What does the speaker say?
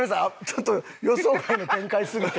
ちょっと予想外の展開すぎて。